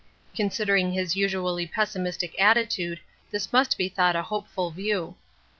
Considering his usually pessimistic attitude this must be thought a hopeful view.